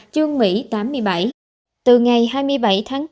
từ ngày hai mươi bảy tháng bốn đến ngày hôm nay tp hà nội đã đánh giá cấp độ bốn vùng cam